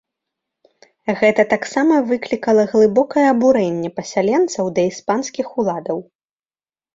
Гэта таксама выклікала глыбокае абурэнне пасяленцаў да іспанскіх уладаў.